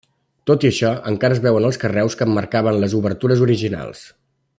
Tot i això encara es veuen els carreus que emmarcaven les obertures originals.